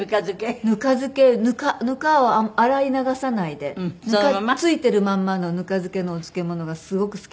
ぬか漬けぬかを洗い流さないでぬか付いてるまんまのぬか漬けのお漬物がすごく好きだったり。